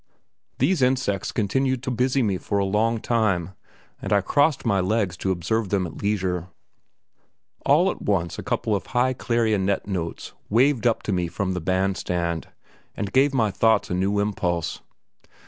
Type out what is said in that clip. These insects continued to busy me for a long time, and I crossed my legs to observe them at leisure. All at once a couple of high clarionet notes waved up to me from the bandstand, and gave my thoughts a new impulse.